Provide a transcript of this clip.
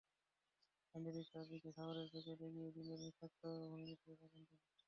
Hendrik তাঁর দিকে খাবারের প্যাকেট এগিয়ে দিলে নিরাসক্ত ভঙ্গিতে তাকান তিনি।